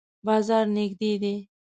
بازار نږدې دی؟